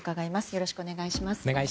よろしくお願いします。